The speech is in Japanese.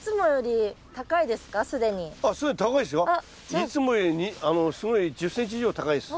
いつもよりすごい１０ｃｍ以上高いです。